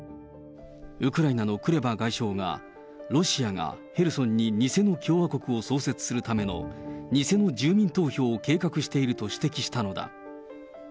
ウクライナのクレバ外相が、ロシアがヘルソンに偽の共和国を創設するための、偽の住民投票を計画していると指摘したのだ。